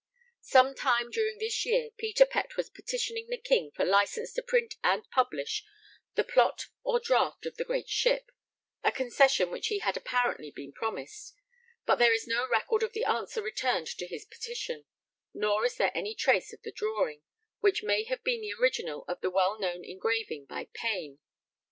Some time during this year Peter Pett was petitioning the King for license to print and publish 'the plot or draught of the great ship,' a concession which he had apparently been promised, but there is no record of the answer returned to his petition, nor is there any trace of the drawing, which may have been the original of the well known engraving by Payne.